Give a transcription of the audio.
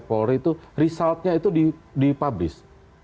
polri itu resultnya itu dipublis